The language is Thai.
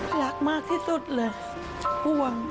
รักมากที่สุดเลยห่วง